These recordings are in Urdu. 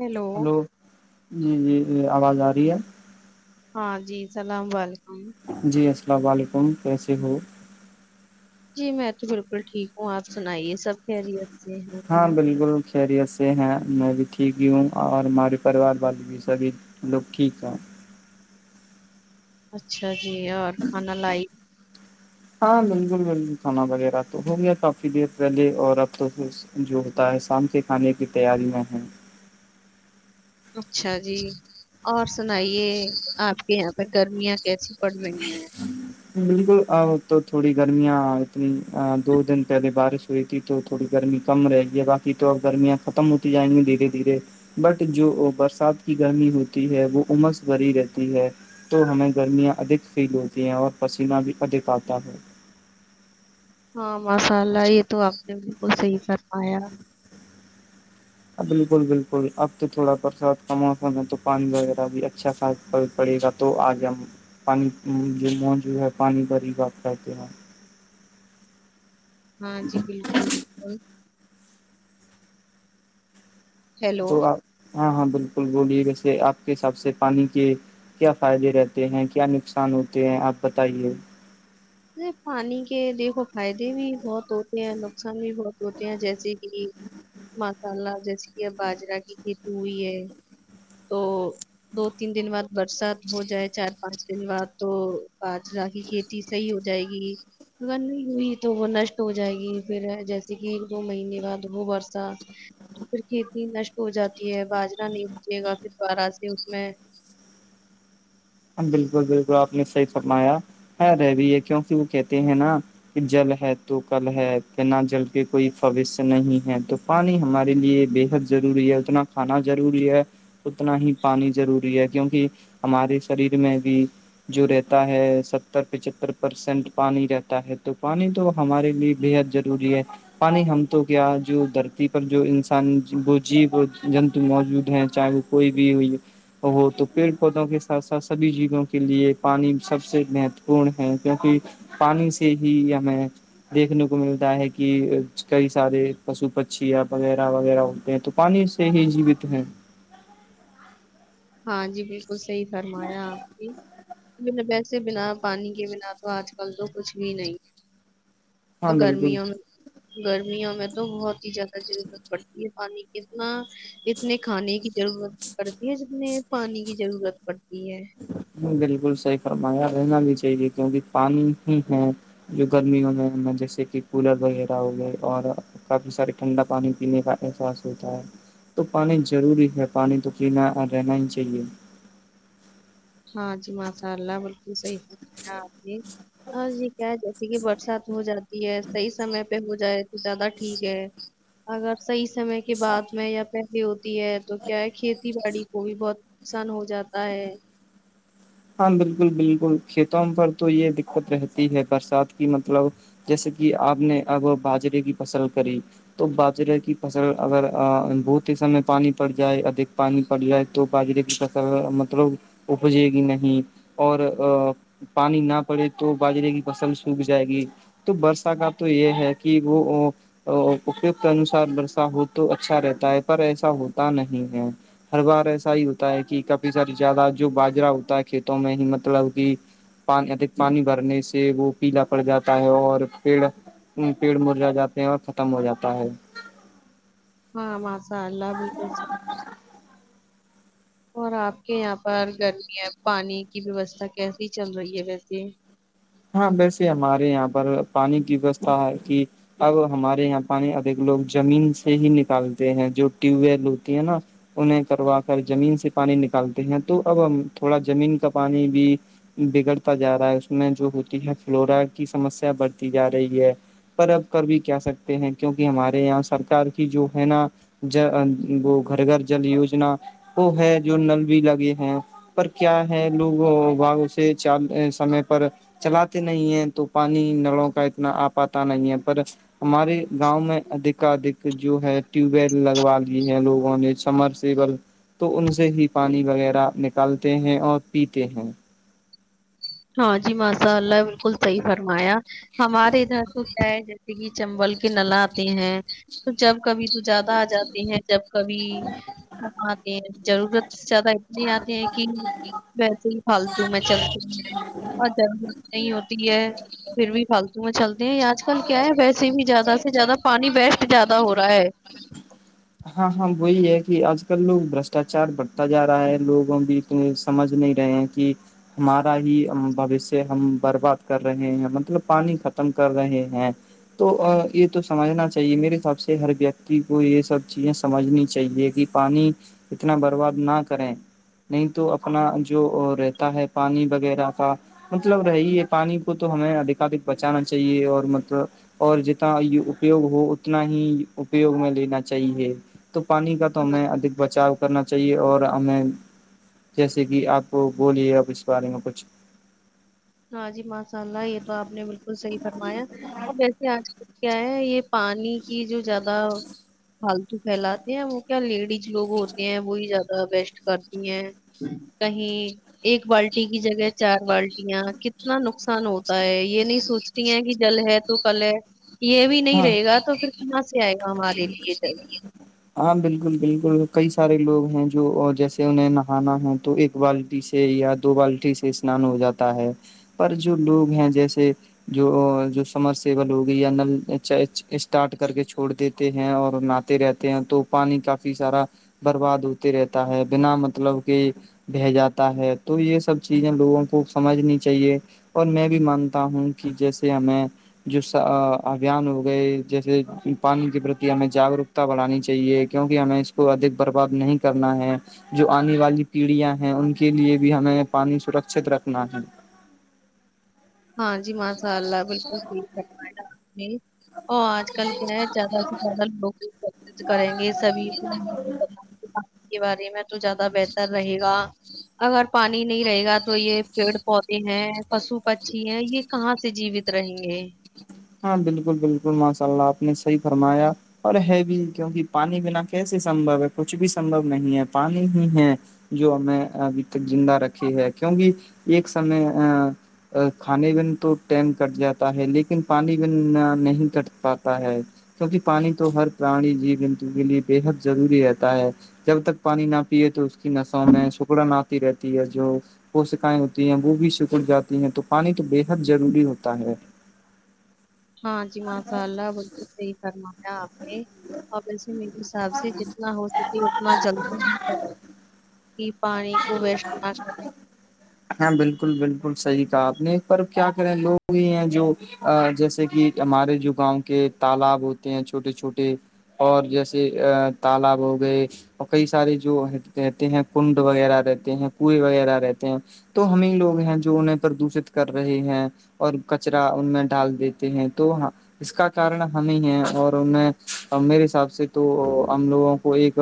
ہیلو ہلو جی جی یہ آواز آ رہی ہے ہاں جی اللام و علیکم جی السلام علیکم کیسے ہو؟ جی میں تو بالکل ٹھیک ہوں آپ سنائیے سب خیریت سے ہے ہاں کیا بالکل خیریت سے ہیں میں بھی ٹھیک ہی ہوں اور ہمارے پریوار والے بھی سبھی لوگ ٹھیک ہیں اچھا جی اور کھانا لائی ہاں بالکل بالکل کھانا وغیرہ تو ہو گیا کافی دیر پہلے اور اب تو جو ہوتا ہے شام کے کھانے کی تیاری میں ہے اچھا جی اور سنائیے آپ کے یہاں پہ گرمیاں کیسی پڑ رہی ہیں بالکل ا تو تھوڑی گرمیاں اتنی دو دن پہلے بارش ہوئی تھی تو تھوڑی گرمی کم رہے گی باقی تو ا گرمیاں ختم ہوتی جائیں گی دھیرے دھیرے بٹ جو برسات کی گرمی ہوتی ہے وہ عمس بری رہتی ہے تو ہمیں گرمیاں ادھک فیل ہوتی ہیں اور پسینہ بھی ادھک آتا ہو ہاں مسالءلہ یہ تو آپ نے بالکل صحی فرمایا بالکل بالکل اب تو تھوڑا برسات کا موسم ہے تو پانی وغیرہ بھی اچھا خا پڑے گا تو آج ہم پانی موجو ہے پانی پر ہی بات کہتے ہیں ہاں جی بالکل بالکل ہیلو تو آپ ہاں ہاں بالکل بولیے ویسے آپ کے حساب سے پانی کے کیا فائدے رہتے ہیں کیا نقصان ہوتے ہیں آپ بتائیے پانی کے دیکھو فائدے بھی بہت تو ہوتے ہیں نقصان بھی بہت ہوتے ہیں جیسے کہ مسالہ جیسے کہ اب باجرا کی کھیتی ہوئی ہے تو دو تین دن بعد برسات ہو جائے چار پانچ دن بعد تو باجرا کی کھیتی صحیح ہو جائے گی اگر نہیں ہوئی تو وہ نشٹ ہو جائے گی پھر جیسے کہ دو مہینے بعد وہ برسہ تو پھر کھیتی نشٹ ہو جاتی ہے باجرا نہیں پچے گا پھر دوارہ سے اس میں ہ بالکل بالکلپ سے کمایا ہے رہ بھی ہے کیونکہ وہ کہتے ہیں نا کہ جل ہے تو کل ہے کہ نہ جل کے کوئی فوش نہیں ہے تو پانی ہمارے لیے بے حد ضروری ہے اتنا کھانا ضروری ہے اتنا ہی پانی ضروری ہے کیونکہ ہمارے شر میں بھی جو رہتا ہے ستر پچتر پرسینٹ پانی رہتا ہے تو پانی تو ہمارے لیے بےحد ضروری ہے پانی ہم تو کیا جو دھرتی پر جو انسان وہ جی جنتو موجود ہیں چاہے وہ کوئی بھی ہو ہو تو پیڑ پودوں کے س سبھی جیووں کے لیے پانی سب سے مہتوپورن ہے کیونکہ پانی سے ہی ہمیں دیکھنے کو ملتا ہے کہ کئی سارے پشو پھیا وغیرہ وغیرہ ہوتے ہیں تو پانی سے ہی جیوت ہیں ہاں جی بالکل صحی فرمایا آپ کی اس سے بنا پانی کے بنا تو آج کل تو کچھ بھی نہیں ہاں اور بالکل گرمیوں میں گرمیوں میں تو بہت ہی زیادہ ضرورت پڑتی ہے پانی کی اتنا اتنے کھانے کی ضرورت پڑتی ہے میں پانی کی ضرورت پڑتی ہے بالکل صحیح فرمایا رہنا بھی چاہیے کیونکہ پانی ہی ہے جو گرمیوں میں جیسے کہ کولر وغیرہ ہو گئے اور کافی سارے ٹھنڈا پانی پینے کا احساس ہوتا ہے تو پانی ضروری ہے پانی تو پینا رہنا ہی چاہیے ہاں جی ماشاء اللہ بالکل صحیح فک ہے آپ نے اور یہ کیا ہے جیسے کہ برسات ہو جاتی ہے صحیح سمے پہ ہو جائے تو زیادہ ٹھیک ہے اگر صحیح سمے کی بعات میں یا پہلے ہوتی ہے تو کیا ہے کھیتی باڑی کو بھی بہت نقصان ہو جاتا ہے ہاں بالکل بالکل کھیتوں پر تو یہ دقت رہتی ہے برسات کی مطلب جیسے کہ آپ نے اب باجرے کی فصل کری تو باجرے کی فصل اگر بہت ہی سمے پانی پڑ جائے ادھک پانی پڑ جائے تو باجرے کی فصل مطلب اجے گی نہیں اور پانی نہ پڑے تو باجرے کی فصل سوکھ جائے گی تو برسا کا تو یہ ہے کہ وہ اپوگ کے انوسار برسا ہو تو اچھا رہتا ہے پر ایسا ہوتا نہیں ہے ہر بار ایسا ہی ہوتا ہے کہ کبھی س زیادہ جو باجرا ہوتا ہے کھیتوں میں ہی مطلب کہ پ اھک پانی بھرنے سے وہ پیلا پڑ جاتا ہے اور پیڑ پیڑ مرجا جاتے ہیں اور ختم ہو جاتا ہے ہاں ااء اللہ بالکلح اور آپ کے یہاں پر گرمی پانی کی ویوستھا کیسی چل رہی ہے ویسے ہاں ویسے ہمارے یہاں پر پانی کی ویوستھا ہے کہ اب ہمارے یہاں پانی ادھک لوگ زمین سے ہی نکالتے ہیں جو ٹیوب ویل ہوتی ہے نا انہیں کروا کر زمین سے پانی نکالتے ہیں تو اب ہم تھوڑا زمین کا پانی بھی بگڑتا جا رہا ہے اس میں ہوتی ہے فلورا کی سمسیا بڑھتی جا رہی ہے پر اب ک بھی کیا سکتے ہیں کیونکہ ہمارے یہاں سرک کی جو ہے نا وہ گھر گھر جل یوجنا وہ ہے جو نل بھی لگے ہیں پر کیا ہے لوگ سے چال سمے پر چلاتے نہیں ہے تو پانی نلوں کا اتنا آ پاتا نہیں ہے پر ہمارے گاؤں میں ادھک ادھک جو ہے ٹیوب ویل لگوا لی ہے لوگوں نے سمرسیل تو ان سے ہی پانی وغیرہ نکالتے ہیں اور پیتے ہیں ہاں جی ماشاء اللہ بالکل صحیح فرمایا ہمارے ادھر تو کیا ہے سگی چمبل کہ نل آتے ہیں تو جب کبھی تو زیادہ آ جاتے ہیں جب کبھی کم آتے ہیں ضرورت زیادہ اتنے آتے ہیں کہ ویسے ہی فالتو میں چلتی ہیں اور ضرورت نہیں ہوتی ہے پھر بھی فالتو میں چل نہیں آج کل کیا ہے ویسے بھی زیادہ سے زیادہ پانی بیسٹ زیادہ ہو رہا ہے ہاں ہاں وہی ہے کہ آج کل لوگ برشٹاچار بڑھتا جا رہا ہے لوگوں بھی تو سمجھ نہیں رہے ہیں کہ ہمارا ہی بوشیہ ہم برباد کر رہے ہیں مطلب پانی ختم کر رہے ہیں تو یہ تو سمجھنا چاہیے میرے حساب سے ہر ویکتی کو یہ سب چیزیں سمجھنی چاہیے کہ پانی اتنا برباد نہ کریں نہیں تو اپنا جو رہتا ہے پانی وغیرہ کا مطلب رہ ہیے پانی کو تو ہمیں ادھکاادھک بچانا چاہیے اور مطلب اور جتنا یہ اپیوگ ہو اتنا ہی اپیوگ میں لینا چاہیے تو پانی کا تو ہم ادک بچاؤ کرنا چاہیے اور ہمیں جیسے کہ آپ کو بولیے اب اس بارے میں کچھ ہاں جی ماشاء اللہ یہ تو آپ نے بالکل صحیح فرمایا اور ویسے آج کل کیا ہے یہ پانی کی جو زیادہ پالتو پھیلاتے ہیں وہ کیا لیڈیز لوگ ہوتے ہیں وہی زیادہ بیسٹ کرتی ہیں کہیں ایک بالٹی کی جگہ چار بالٹیاں کتنا نقصان ہوتا ہے یہ نہیں سوچتی ہیں کہ جل ہے تو کل ہے یہ بھی نہیں ہاں رہے گا تو پھر کہاں سے آئے گا ہمارے لیے جل ہاں بالکل بالکل ک سارے لوگ ہیں جو جیسے انہیں نہانا ہے تو ایک بالٹی سے یا دو بالٹی سے اسنان ہو جاتا ہے پر جو لوگ ہیں جیسے جو جو سمر سیبل ہوگی یا نل اسٹارٹ کر کے چھوڑ دیتے ہیں اور نہاتے رہتے ہیں تو پانی کافی سارا برباد ہوتے رہتا ہے بنا مطلب کہ ب جاتا ہے تو یہ سب چیزیں لوگوں کو سمجھنی چاہیے اور میں بھی مانتا ہوں کہ جیسے ہمیں جو جان ہو گئے جیسے پانی کے پرتی ہمیں جاگروکتا بڑھانی چاہیے کیونکہ ہمیں اس کو ادھک برباد نہیں کرنا ہے جو آنے والی پیڑیاں ہیں ان کے لیے بھی ہمیں پانی سرکچت رکھنا ہے ہاں جی ماشاء اللہ بالکل ٹھیک کرنا اور آج کل کیا ہے زیادہ سے زیادہ لوگ کریں گے سبھی کو بارے میں تو زیادہ بہتر رہے گا اگر پانی نہیں رہے گا تو یہ پیڑ پودے ہیں پشو پ ہے یہ کہاں سے جیوت رہا رہیں گے ہاں بالکل بالکل ماشاء اللہ آپ نے صحیح فرمایا اور ہے بھی کیونکہ پانی بنا کیسے سمبھو ہے کچھ بھی سمبو نہیں ہے پانی ہی ہے جو ہمیں ابھی تک زندہ رکھی ہے کیونکہ ایک سمے کھانے میں تو ٹائم کٹ جاتا ہے لیکن پانی نہیں کٹ پاتا ہے کیونکہ پانی تو ہر پرانی جی جنتو کے لیے بےحد ضروری رہتا ہے جب تک پانی نہ پیے تو سو میں ہے شکر ناتھ رہتی ہے جو پوشکیں ہوتی ہیں وہ بھی سکڑ جاتی ہیں تو پانی تو بےحد ضروری ہوتا ہے ہاں جی ماساء اللہ بالکل صحیح کررنا آپ نے اور وسے میرے حساب سے جتنا ہو سکے اتنا جلد ہاں بالکل بالکل صحی اپنے ایک پر کیا کرے لوگ بھی ہیں جو جیسے کہ ہمارے جو گاؤں کے تالاب ہوتے ہیں چھوٹے چھوٹے اور جیسے تالاب ہو گئے اور کئی سارے جو کہتے ہیں کنڈ وغیرہ رہتے ہیں کئے وغیرہ رہتے ہیں تو ہم ہی لوگ ہیں جو انہیں پردوشت کر رہے ہیں اور کچرا ان میں ڈال دیتے ہیں تو اس کا کن ہم ہی ہے اور ان میں میرے حساب سے تو ہم لوگوں کو ایک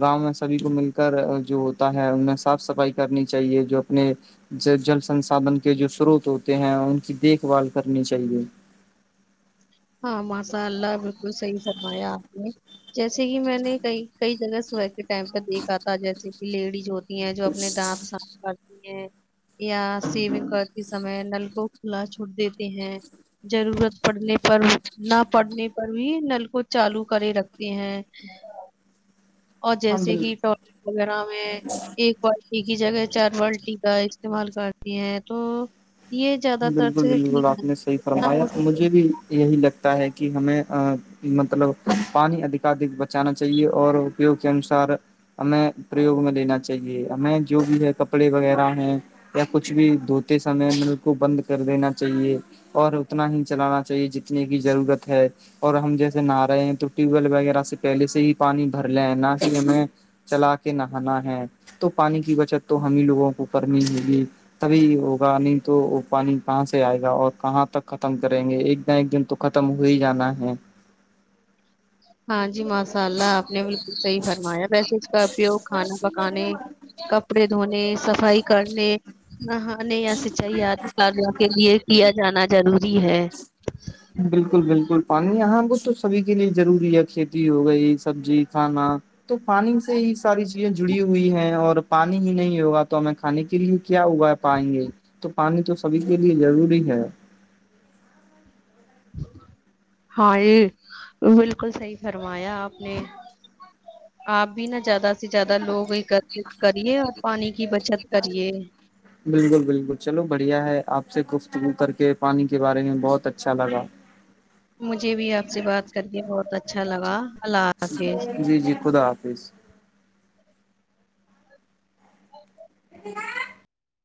گاؤں میں سبھی کو مل کر جو ہوتا ہے ان میں صاف صفائی کرنی چاہیے جو اپنے جل سنسادن کے جو سروت ہوتے ہیں ان کی دیکھ بھال کرنی چاہیے ہاں ماشاء اللہ بالکل صحی فرمایا آپ نے جیسے کہ میں نے کئی کئی جگہ سبح کے ٹائم پہ دیکھا تھا جیسے کہ لیڈیز ہوتی تی ہیں جو اپنے دانت صاف کرتی ہیں یا سیو کرتے سمے نل کو کھلا چھوڑ دیتے ہیں ضرورت پڑنے پر نہ پڑنے پر بھی نل کو چالو کرے رکھتے ہیں اور ہاں جیسے بال کہ ٹوائلٹ وغیرہ میں ایک بالٹی کی جگہ چار بالٹی کا استعمال کرتی ہیں تو یہ زیادہ تر بالکل سے بالکل ٹھیک ہے آپ نے صحیح جتنا فرمایا ہو سکے مجھے بھی یہی لگتا ہے کہ ہمیں مطلب پانی ادھکادھک بچانا چاہیے اور اپیگ کے انسار ہمیں پریوگ میں لینا چاہیے ہمیں جو بھی ہے کپڑے وغیرہ ہے یا کچھ بھی دھوتے سمے مطل کو بند کر دینا چاہیے اور اتنا ہی چلانا چاہیے جتنے کی ضرورت ہے اور ہم جیسے نہا رہے ہیں تو ٹیوب ویل وغیرہ سے پہلے سے ہی پانی بھر لے نہ ہی ہمیں چلا کے نہانا ہے تو پانی کی بچت تو ہمیں لوگوں کو کرنی ہوگی تبھی ہوگا نہیں تو وہ پانی کہاں سے آئے گا اور کہاں تک ختم کریں گے ایک د ایک دن تو ختم ہو ہی جانا ہے ہاں جی ماساء اللہ آپ نے بالکل صحیح فرمایا ویسے اس کا اپیوگ کھانا پکانے کپڑے دھونے صفائی کرنے ہ ان یا سچائییاد کاروں کے لیے کیا جانا ضروری جی ہے بالکل بالکل پانی یہاں تو سبھی کے لیے ضروری ہے کھیتی ہو گئی سبزی کھانا تو پانی سے ہی ساری چیزیں جڑی ہوئی ہیں اور پانی ہی نہیں ہوگا تو ہمیں کھانے کے لیے کیا اگا پائیں گے تو پانی تو سبھی کے لیے ضروری ہے ہاں یہ بالکل صحیح فرمایا آپ نے آپ بھی نا زیادہ [unintelligible] س سے زیادہ لوگ ایکت کریے اور پانی کی بچت کریے سب سے گفتگو کر کے پانی کے بارے میں بہت اچھا لگا و [inaudible] جی جی خدا حافظ اچ [unintelligible]